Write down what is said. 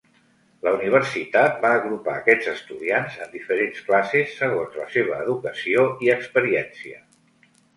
La universitat va agrupar aquests estudiants en diferents classes segons la seva educació i experiència.